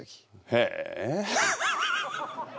へえ。